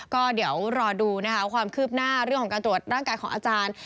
ก็เดี๋ยวรอดูนะคะความคืบหน้าเรื่องของการตรวจร่างกายของอาจารย์